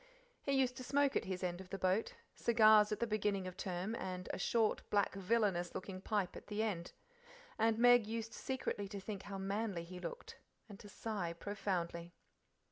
He used to smoke at his end of the boat cigars at the beginning of term and a short, black, villainous looking pipe at the end and Meg used secretly to think how manly he looked, and to sigh profoundly.